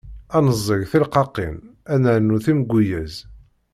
Ad neẓẓeg tileqqaqin, ad nernu timegguyaz.